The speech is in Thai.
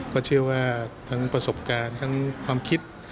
ก็เชื่อว่าทั้งประสบการณ์ทั้งความคิด